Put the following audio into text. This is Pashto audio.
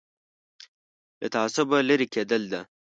له تعصبه لرې کېدل ده.